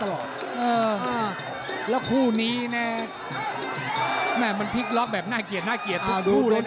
แล้วคู่นี้นะแม่มันพลิกล็อกแบบน่าเกลียดน่าเกลียดเอาดูเลยนะ